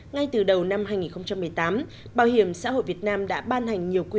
hai nghìn một mươi bảy ngay từ đầu năm hai nghìn một mươi tám bảo hiểm xã hội việt nam đã ban hành công trực tuyến